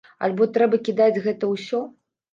Альбо трэба кідаць гэта ўсё.